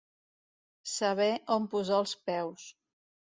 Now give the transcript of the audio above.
Saber on posar els peus.